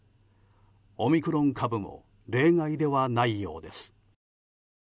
オミクロン株も例外ではないようです。